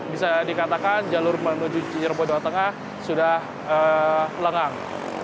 bisa dikatakan jalur menuju cirebon jawa tengah sudah lengang